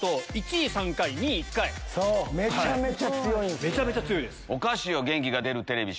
めちゃめちゃ強いんすよ。